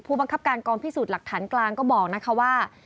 บังคับการกองพิสูจน์หลักฐานกลางก็บอกนะคะว่า